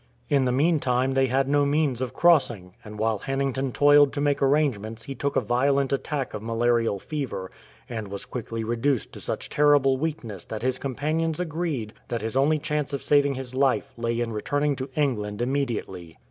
In the meantime they had no means of crossing, and while Hannington toiled to make arrange ments he took a violent attack of malarial fever, and was quickly reduced to such terrible weakness that his com panions agreed that his only chance of saving his life lay in returning to England immediately.